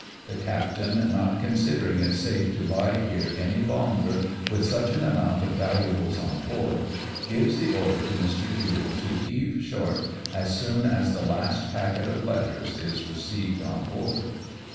The captain not consider ing it safe to lie here any longer with such an amount of valuables on board, gives the order to Mr. Jule to heave short as soon as the last packet of letters is received on board.